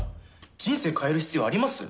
人生変える必要あります？